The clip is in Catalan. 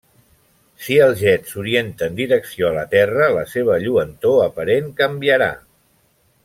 Si el jet s'orienta en direcció a la Terra, la seva lluentor aparent canviarà.